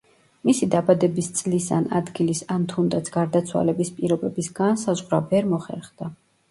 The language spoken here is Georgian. მისი დაბადების წლის ან ადგილის ან თუნდაც გარდაცვალების პირობების განსაზღვრა ვერ მოხერხდა.